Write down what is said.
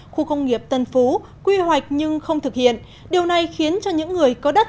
khu công nghiệp tân phú quy hoạch nhưng không thực hiện điều này khiến cho những người có đất